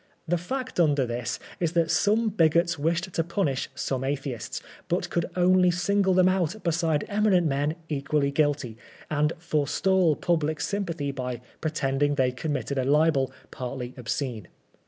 The fact under this is that some bigots wished to punish some Atheists, but could only single them out beside eminent men equally guilty, and forestall pubHc sympathy by pretending they had committed a Ubel partly obscene.